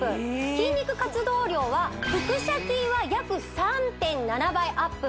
筋肉活動量は腹斜筋は約３．７倍アップ